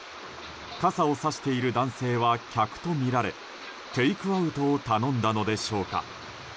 傘をさしている男性は客とみられテイクアウトを頼んだのでしょうか。